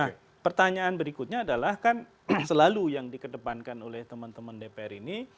nah pertanyaan berikutnya adalah kan selalu yang dikedepankan oleh teman teman dpr ini